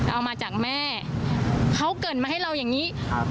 เอามาจากแม่เขาเกิดมาให้เราอย่างงี้ครับ